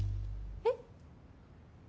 えっ？